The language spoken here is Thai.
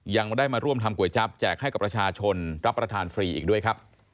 ยังไม่ได้มาร่วมทำก๋วยจั๊บแจกให้กับประชาชนรับประทานฟรีอีกด้วยครับ